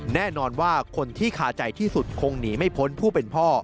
แน่นอนว่าคนที่คาใจที่สุดคงหนีไม่พ้นผู้เป็นพ่อ